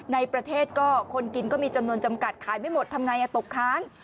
ในประเทศก็คนกินก็มีจำนวนจำกัดขายไม่หมดทำไงตกค้าง